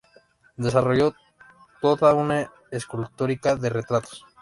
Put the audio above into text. Desarrolló toda una escultórica de retratos.